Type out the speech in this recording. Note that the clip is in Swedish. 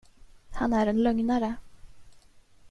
Han är en lögnare!